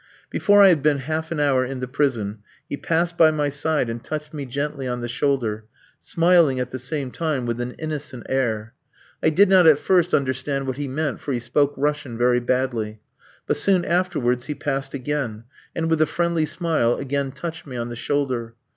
Before I had been half an hour in the prison, he passed by my side and touched me gently on the shoulder, smiling at the same time with an innocent air. I did not at first understand what he meant, for he spoke Russian very badly; but soon afterwards he passed again, and, with a friendly smile, again touched me on the shoulder.